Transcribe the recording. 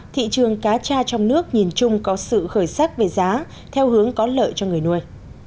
thị trường cá cha trong nước nhìn chung có sự khởi sắc về giá theo hướng có lợi cho người nuôi